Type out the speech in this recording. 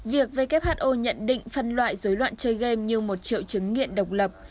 việc who nhận định phân loại dối loạn chơi game như một triệu chứng nghiện độc lập